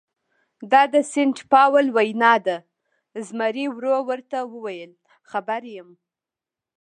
دا د سینټ پاول وینا ده، زمري ورو ورته وویل: خبر یم.